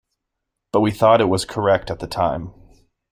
But we thought it was correct at the time.